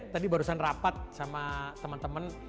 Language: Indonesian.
tadi barusan rapat sama teman teman